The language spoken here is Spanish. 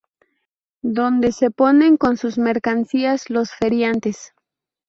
Dónde se ponen con sus mercancías los feriantes.